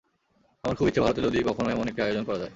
আমার খুব ইচ্ছে ভারতে যদি কখনো এমন একটি আয়োজন করা যায়।